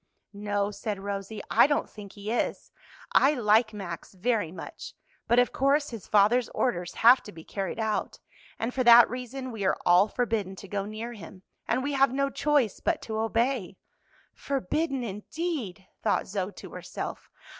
"No," said Rosie, "I don't think he is; I like Max very much, but of course his father's orders have to be carried out, and for that reason we are all forbidden to go near him, and we have no choice but to obey." "Forbidden, indeed!" thought Zoe to herself.